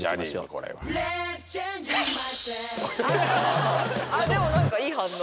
これはあっでも何かいい反応？